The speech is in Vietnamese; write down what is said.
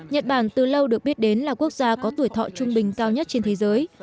nhật bản từ lâu được biết đến là quốc gia có tuổi thọ trung bình cao nhất trên thế giới